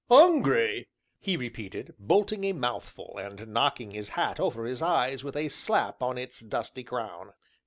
"Hungry!" he repeated, bolting a mouthful and knocking his hat over his eyes with a slap on its dusty crown.